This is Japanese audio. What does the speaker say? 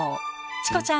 チコちゃん